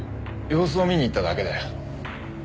様子を見に行っただけだよ。